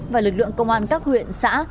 và lực lượng công an các huyện xã